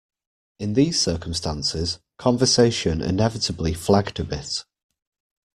In these circumstances, conversation inevitably flagged a bit.